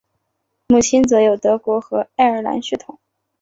母亲则有德国与爱尔兰血统